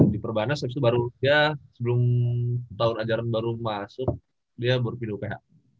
di perbanas abis itu baru dia sebelum tahun ajaran baru masuk dia baru pindah uph